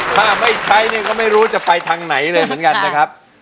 ถ้าไม่ใช้เนี่ยก็ไม่รู้จะไปทางไหนเลยเหมือนกันนะครับ